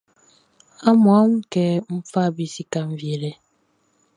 Amun a wun kɛ n fa be sikaʼn wie le?